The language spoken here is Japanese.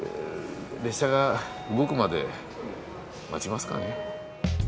列車が動くまで待ちますかね。